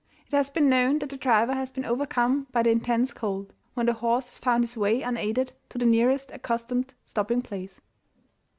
It has been known that the driver has been overcome by the intense cold, when the horse has found his way unaided to the nearest accustomed stopping place.